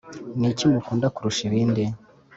niki mukunda kurusha ibindi